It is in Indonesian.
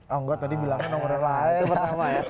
oh enggak tadi bilangnya nomor lain